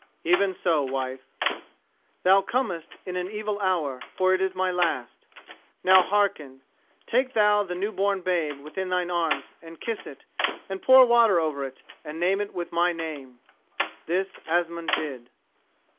"Even so, wife." "Thou comest in an evil hour, for it is my last. Now hearken. Take thou the new born babe within thine arms and kiss it, and pour water over it, and name it with my name." This Asmund did.